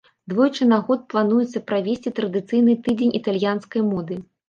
Двойчы на год плануецца правесці традыцыйны тыдзень італьянскай моды.